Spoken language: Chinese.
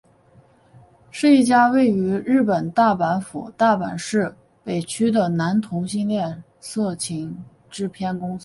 是一家位于日本大阪府大阪市北区的男同性恋色情片制片公司。